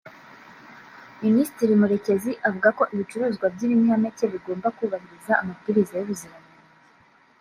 Minisitiri Murekezi avuga ko ibicuruzwa by’ibinyampeke bigomba kubahiriza amabwiriza y’ubuziranenge